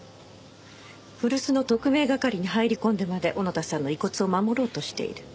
古巣の特命係に入り込んでまで小野田さんの遺骨を守ろうとしている。